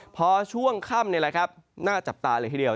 พอช่วงค่ำนี่แหละครับน่าจับตาเลยทีเดียว